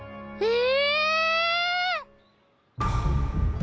え？